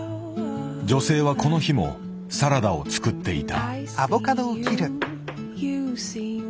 女性はこの日もサラダを作っていた。